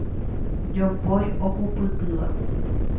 Jopói ohupytýva.